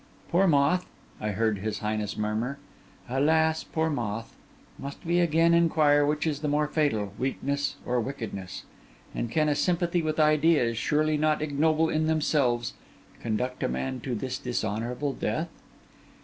'Poor moth!' I heard his highness murmur. 'Alas, poor moth! must we again inquire which is the more fatal—weakness or wickedness? And can a sympathy with ideas, surely not ignoble in themselves, conduct a man to this dishonourable death?